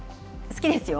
好きですよ。